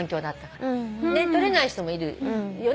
取れない人もいるよね。